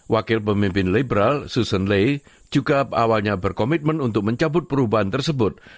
wakil pemimpin liberal season lee juga awalnya berkomitmen untuk mencabut perubahan tersebut